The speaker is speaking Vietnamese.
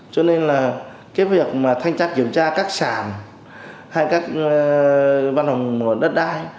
cho nên việc thanh chắc kiểm tra các sản hay các văn hóng đất đai